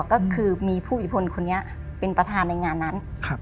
ก็คือมีผู้อิพลคนนี้เป็นประธานในงานนั้น